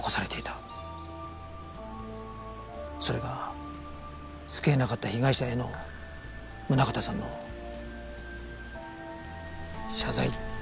それが救えなかった被害者への宗形さんの謝罪だったんだと思います。